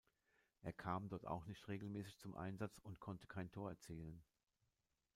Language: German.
Er kam dort auch nicht regelmäßig zum Einsatz und konnte kein Tor erzielen.